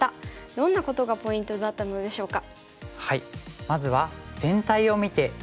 どんなことがポイントだったのでしょうか。